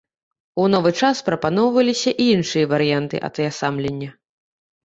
У новы час прапаноўваліся і іншыя варыянты атаясамлення.